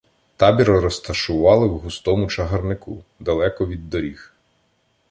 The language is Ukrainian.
Табір розташували в густому чагарнику, далеко від доріг.